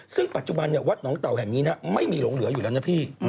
ซึ่งปัจจุบันวัดหนองเต่าแห่งนี้ไม่มีหลงเหลืออยู่แล้วนะพี่